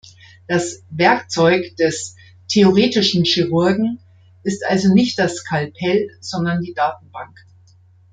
Das „Werkzeug“ des "theoretischen Chirurgen" ist also nicht das Skalpell, sondern die Datenbank.